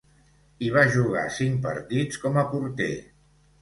Hi va jugar cinc partits com a porter.